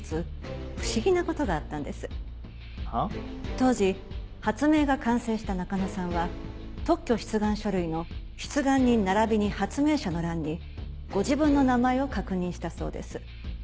当時発明が完成した中野さんは特許出願書類の「出願人」ならびに「発明者」の欄にご自分の名前を確認したそうです。